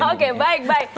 oke baik baik